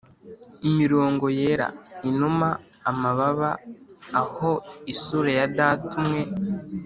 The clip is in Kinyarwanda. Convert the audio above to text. imirongo yera, inuma-amababa, aho isura ya data umwe